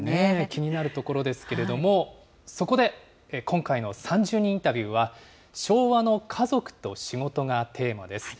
気になるところですけれども、そこで、今回の３０人インタビューは、昭和の家族と仕事がテーマです。